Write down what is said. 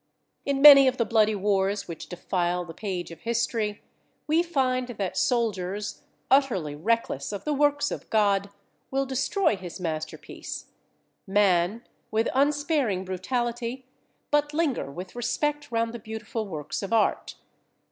In many of the bloody wars which defile the page of history, we find that soldiers, utterly reckless of the works of God, will destroy his masterpiece, man, with unsparing brutality, but linger with respect round the beautiful works of art.